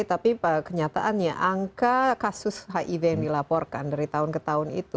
tapi kenyataannya angka kasus hiv yang dilaporkan dari tahun ke tahun itu